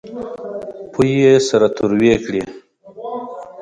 پۍ یې سره تروې کړې.